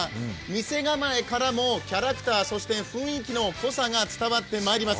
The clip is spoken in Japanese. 店構えからもキャラクター、雰囲気の濃さが伝わってまいります。